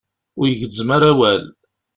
Ur yi-gezzmem ara awal.